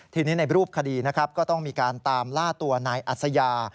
ทีนี้ในรูปคดีนะครับก็ต้องมีการตามล่าตัวนายอัศยา